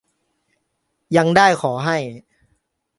ยังได้ขอให้